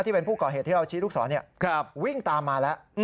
ที่เป็นผู้ก่อเหตุที่เราชี้ลูกศรวิ่งตามมาแล้ว